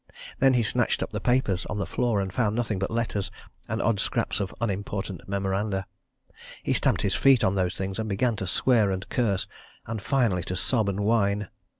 Then he snatched up the papers on the floor and found nothing but letters, and odd scraps of unimportant memoranda. He stamped his feet on those things, and began to swear and curse, and finally to sob and whine.